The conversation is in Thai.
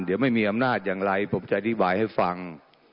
เดี๋ยวไม่มีอำนาจอย่างไรผมจะอธิบายให้ฟัง